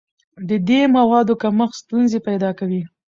د دې موادو کمښت ستونزې پیدا کوي.